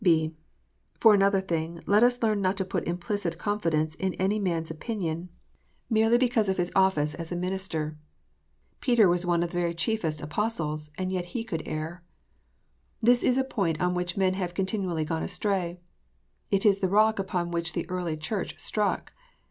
(b) For another thing, let us learn not to put implicit con fidence in any man s opinion, merely because of his otfice as a THE FALLIBILITY OF MINISTERS. 3G9 minister. Peter was one of the very chiefest Apostles, and yet he could err. This is a point on which men have continually gone astray. It is the rock on which the early Church struck.